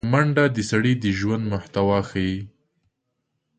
منډه د سړي د ژوند محتوا ښيي